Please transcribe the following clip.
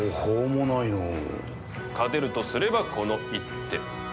勝てるとすればこの一手。